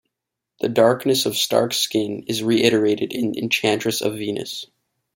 The darkness of Stark's skin is reiterated in "Enchantress of Venus".